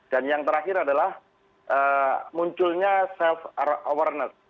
dan yang terakhir adalah munculnya self awareness